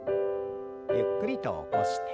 ゆっくりと起こして。